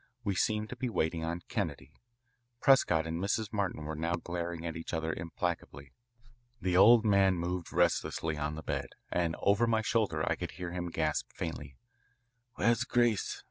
We seemed to be waiting on Kennedy. Prescott and Mrs. Martin were now glaring at each other implacably. The old man moved restlessly on the bed, and over my shoulder I could hear him gasp faintly, "Where's Grace?